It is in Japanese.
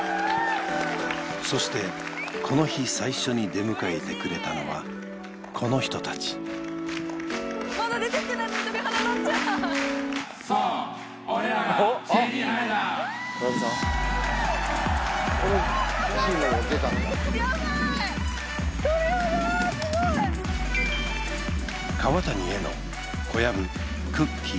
そしてこの日最初に出迎えてくれたのはこの人たちまだ出てきてないのに鳥肌たっちゃう川谷絵音小籔くっきー！